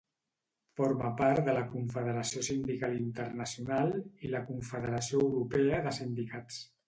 Forma part de la Confederació Sindical Internacional i la Confederació Europea de Sindicats.